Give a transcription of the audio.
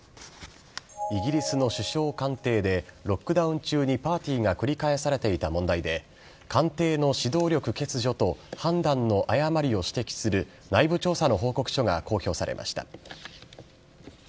イギリスの首相官邸で、ロックダウン中にパーティーが繰り返されていた問題で、官邸の指導力欠如と判断の誤りを指摘する内部調査の報告書が公表されました。